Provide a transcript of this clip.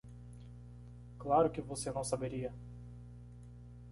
Claro que você não saberia!